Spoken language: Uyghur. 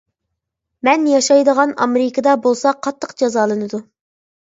مەن ياشايدىغان ئامېرىكىدا بولسا قاتتىق جازالىنىدۇ.